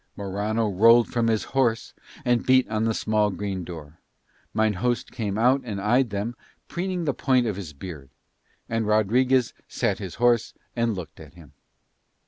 Morano rolled from his horse and beat on the small green door. Mine host came out and eyed them, preening the point of his beard; and Rodriguez sat his horse and looked at him.